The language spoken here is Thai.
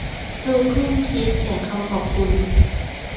ครูครุ่นคิดเขียนคำขอบคุณ